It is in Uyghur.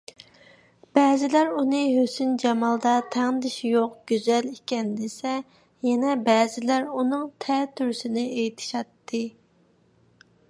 بەزىلەر ئۇنى ھۆسن - جامالدا تەڭدېشى يوق گۈزەل ئىكەن دېسە، يەنە بەزىلەر ئۇنىڭ تەتۈرىسىنى ئېيتىشاتتى.